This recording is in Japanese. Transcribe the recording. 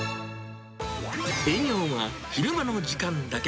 営業は昼間の時間だけ。